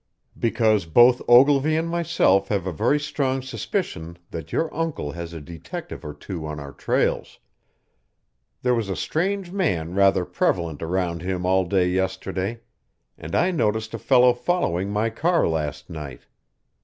"Because both Ogilvy and myself have a very strong suspicion that your uncle has a detective or two on our trails. There was a strange man rather prevalent around him all day yesterday and I noticed a fellow following my car last night.